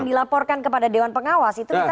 di dewan pengawas itu kita